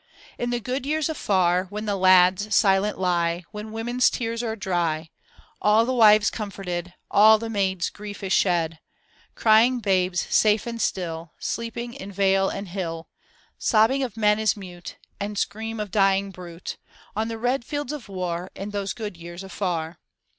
In the good years afar When the lads silent lie. When W(»nen's tears are dry. All the wives comforted, All the maid's grief is shed. Crying babes safe luid stiU THE SAD YEARS AN OLD PROVERB (Conimued) Sleeping in vale and hill. Sobbing of men is mute, And scream of dying brute, On the red fields of war, In those good years afar.